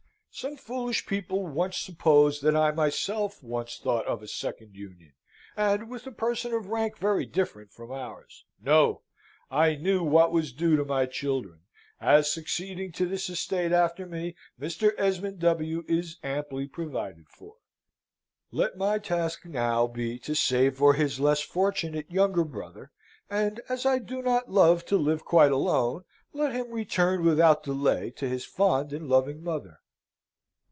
Some foolish people once supposed that I myself once thought of a second union, and with a person of rank very different from ours. No! I knew what was due to my children. As succeeding to this estate after me, Mr. Esmond W. is amply provided for. Let my task now be to save for his less fortunate younger brother: and, as I do not love to live quite alone, let him return without delay to his fond and loving mother.